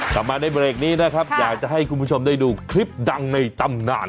กลับมาในเบรกนี้นะครับอยากจะให้คุณผู้ชมได้ดูคลิปดังในตำนาน